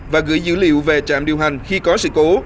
và gửi dữ liệu về trạm điều hành khi có sự cố